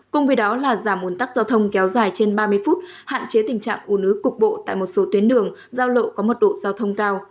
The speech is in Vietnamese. cùng với đó là giảm ồn tắc giao thông kéo dài trên ba mươi phút hạn chế tình trạng u nứ cục bộ tại một số tuyến đường giao lộ có mật độ giao thông cao